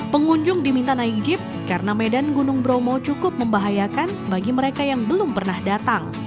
pengunjung diminta naik jeep karena medan gunung bromo cukup membahayakan bagi mereka yang belum pernah datang